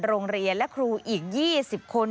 โรงเรียนและครูอีก๒๐คน